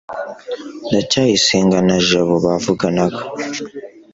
ndacyayisenga na jabo bavuganaga